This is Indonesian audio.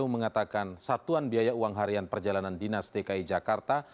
mengatakan satuan biaya uang harian perjalanan dinas dki jakarta